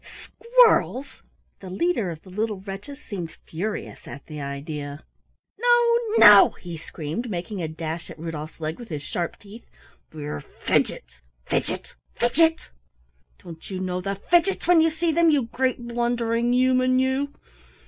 "Squirrels!" The leader of the little wretches seemed furious at the idea. "No, no," he screamed, making a dash at Rudolf's leg with his sharp teeth. "We're Fidgets, Fidgets, Fidgets! Don't you know the Fidgets when you see 'em, you great blundering human, you?